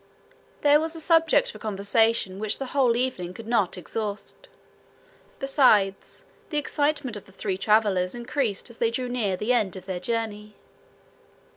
There was a subject for conversation which the whole evening could not exhaust. Besides, the excitement of the three travelers increased as they drew near the end of their journey.